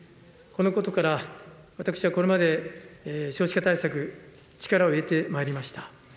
このことから私は、これまで少子化対策、力を入れてまいりました。